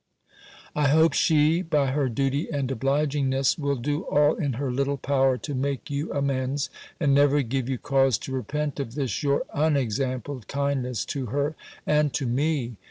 "I hope she, by her duty and obligingness, will do all in her little power to make you amends, and never give you cause to repent of this your unexampled kindness to her and to me.